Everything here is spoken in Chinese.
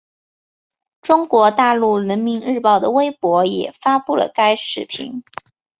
中国大陆人民日报的微博也发布了该视频。